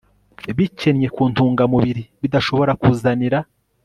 bikennye ku ntungamubiri bidashobora kuzanira